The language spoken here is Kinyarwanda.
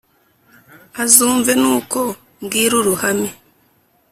azumve n’uko mbwira uruhame